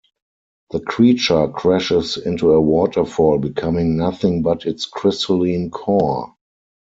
The creature crashes into a waterfall, becoming nothing but its crystalline core.